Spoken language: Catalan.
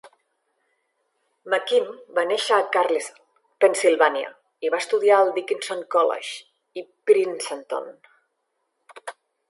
McKim va néixer a Carlisle, Pennsilvània, i va estudiar al Dickinson College i Princeton.